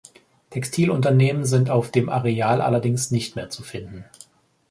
Textilunternehmen sind auf dem Areal allerdings nicht mehr zu finden.